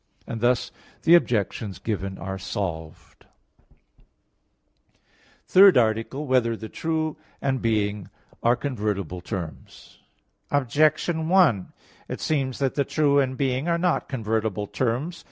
And thus the Objections given are solved. _______________________ THIRD ARTICLE [I, Q. 16, Art. 3] Whether the True and Being Are Convertible Terms? Objection 1: It seems that the true and being are not convertible terms.